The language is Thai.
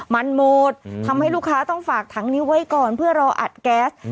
มันหมดทำให้ลูกค้าต้องฝากถังนี้ไว้ก่อนเพื่อรออัดแก๊ส